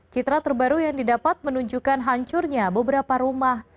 citra terbaru yang didapat menunjukkan hancurnya beberapa rumah